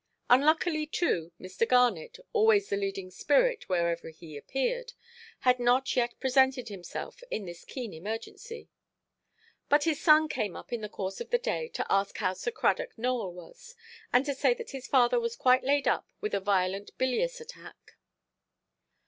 Unluckily, too, Mr. Garnet, always the leading spirit wherever he appeared, had not yet presented himself in this keen emergency. But his son came up, in the course of the day, to ask how Sir Cradock Nowell was, and to say that his father was quite laid up with a violent bilious attack.